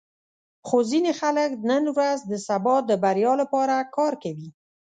خو ځینې خلک نن ورځ د سبا د بریا لپاره کار کوي.